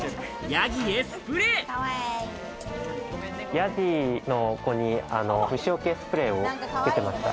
ヤギの子に虫除けスプレーをつけてました。